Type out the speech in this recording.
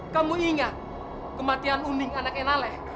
kamu ingat kematian uning anak enaleh